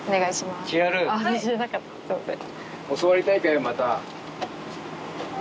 すみません。